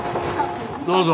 どうぞ。